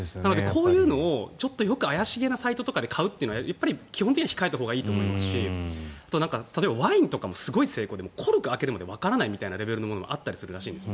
こういうのを怪しげなサイトで買うというのはやっぱり基本的には控えたほうがいいと思いますしあと、ワインとかもすごい精巧でコルクを開けるまでわからないみたいなレベルのものもあるらしいんです。